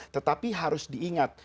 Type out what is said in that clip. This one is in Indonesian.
tetapi harus diingat